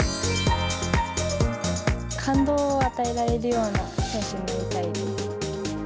感動を与えられるような選手になりたいです。